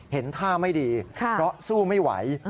เห็นท่าไม่ดีก็สู้ไม่ไหว